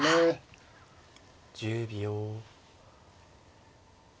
１０秒。